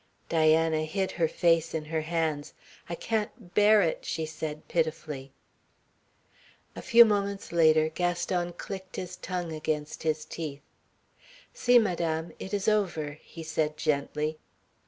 Diana hid her face in her hands. "I can't bear it," she said pitifully. A few minutes later Gaston clicked his tongue against his teeth. "See, Madame. It is over," he said gently.